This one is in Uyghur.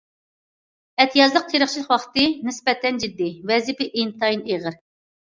ئەتىيازلىق تېرىقچىلىق ۋاقتى نىسبەتەن جىددىي، ۋەزىپە ئىنتايىن ئېغىر.